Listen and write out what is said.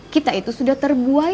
kita itu sudah terbuai